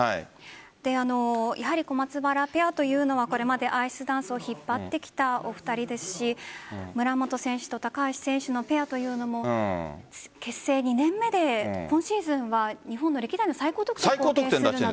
小松原ペアというのはこれまでアイスダンスを引っ張ってきたお二人ですし村元選手と高橋選手のペアというのも結成２年目で今シーズンは日本の歴代の最高得点を。